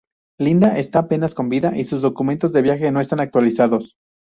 Linda está apenas con vida y sus documentos de viaje no están actualizados.